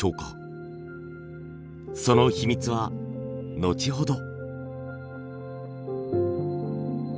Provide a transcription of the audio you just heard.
その秘密は後ほど。